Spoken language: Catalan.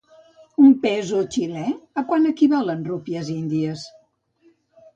Un peso xilè a quant equival en rúpies índies?